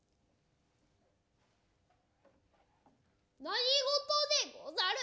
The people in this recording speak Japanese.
何事でござる。